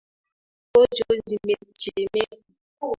Pojo zimechemka.